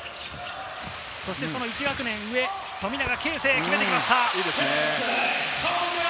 その１学年上、富永啓生、決めてきました。